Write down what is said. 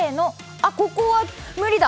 あっ、ここは無理だ。